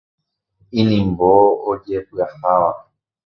Inimbo ojepyaháva.